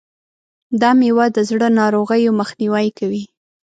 دا مېوه د زړه ناروغیو مخنیوی کوي.